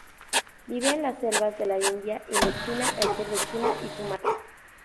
Vive en las selvas de la India, Indochina, el sur de China y Sumatra.